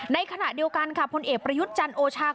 ในขณะเดียวกันค่ะพลเอกประยุทธ์จันทร์โอชา